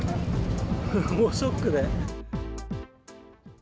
もうショックで。